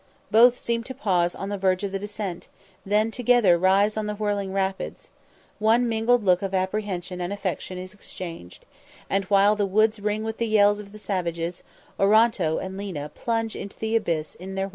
Both seem to pause on the verge of the descent, then together rise on the whirling rapids. One mingled look of apprehension and affection is exchanged, and, while the woods ring with the yells of the savages, Oronto and Lena plunge into the abyss in their white canoes.